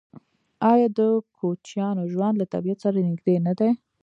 آیا د کوچیانو ژوند له طبیعت سره نږدې نه دی؟